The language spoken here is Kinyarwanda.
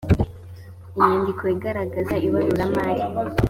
inyandiko igaragaza ibaruramari